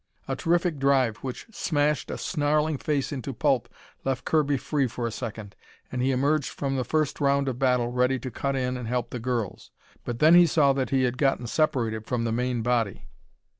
A terrific drive which smashed a snarling face into pulp, left Kirby free for a second, and he emerged from the first round of battle ready to cut in and help the girls. But then he saw that he had gotten separated from the main body.